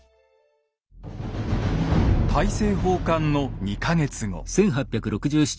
大政奉還の２か月後。